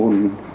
môn lịch sử